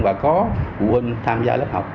và có phụ huynh tham gia lớp học